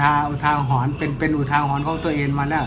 ล่ะอุทาหรรณ์เป็นเป็นอุทาหรรณ์ของตัวเองว่ะ